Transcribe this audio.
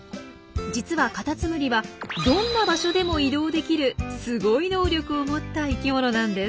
実はカタツムリはどんな場所でも移動できるすごい能力を持った生きものなんです。